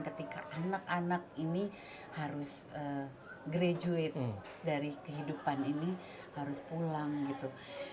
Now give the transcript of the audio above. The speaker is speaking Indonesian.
ketika anak anak ini harus graduate dari kehidupan ini harus pulang gitu